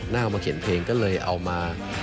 เอามาเขียนเพลงก็เลยเอามา